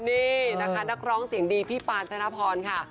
นี่นะคะนักร้องเสียงดีพี่ปานธนพรค่ะ